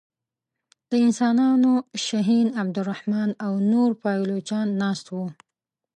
د انسانانو شهین عبدالرحمن او نور پایلوچان ناست وه.